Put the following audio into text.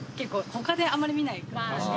他であまり見ない。